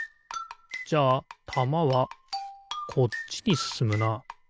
じゃあたまはこっちにすすむな。